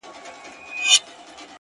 سم به خو دوى راپسي مه ږغوه؛